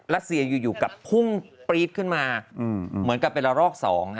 ัสเซียอยู่กับพุ่งปรี๊ดขึ้นมาเหมือนกับเป็นละรอก๒